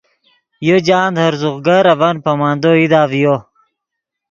یو جاہند ہرزوغ گر اڤن پامندو ایدا ڤیو